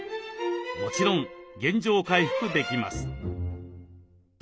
もちろん原状回復できます。